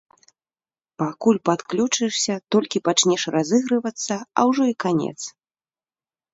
Пакуль падключышся, толькі пачнеш разыгрывацца, а ўжо і канец.